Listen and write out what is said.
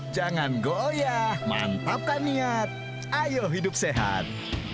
jangan goyah mantapkan niat ayo hidup sehat